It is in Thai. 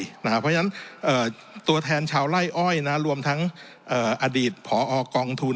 เพราะฉะนั้นตัวแทนชาวไล่อ้อยรวมทั้งอดีตผอกองทุน